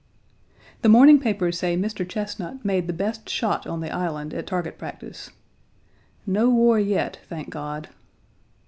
Page 29 The morning papers say Mr. Chesnut made the best shot on the Island at target practice. No war yet, thank God.